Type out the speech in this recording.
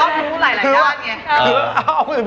ไม่ได้บ้าช่วย